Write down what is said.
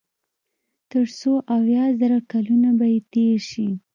تر څو اويا زره کلونه به ئې تېر شي